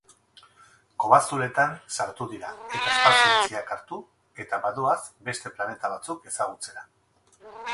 Kobazuloetan sartu dira eta espazio ontziak hartu eta badoaz beste planeta batzuk ezagutzera.